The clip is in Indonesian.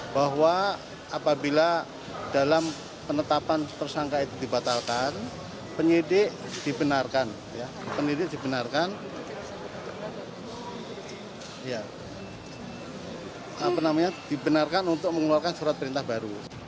bahwa apabila dalam penetapan tersangka itu dibatalkan penyidik dibenarkan untuk mengeluarkan surat perintah baru